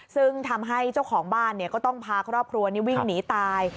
ซึ่งทำให้เจ้าของบ้านก็ต้องพาครอบครัวนี้วิ่งหนีตาย